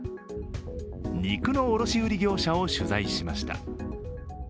肉の卸売業者を取材しました。